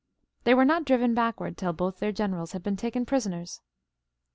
They were not driven backwards till both their generals had been taken prisoners.